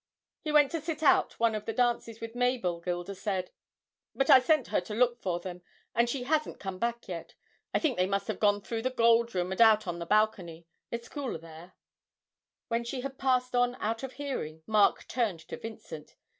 'He went to sit out one of the dances with Mabel, Gilda said, but I sent her to look for them, and she hasn't come back yet. I think they must have gone through the Gold Room, and out on the balcony it's cooler there.' When she had passed on out of hearing, Mark turned to Vincent.